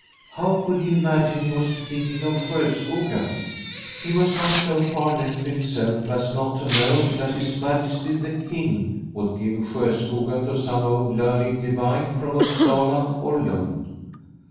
How could he imagine he was thinking of Sjoskoga ? He was not so far left to himself as not to know that His Majesty the King would give Sjoskoga to some old learned divine from Upsala or Lund.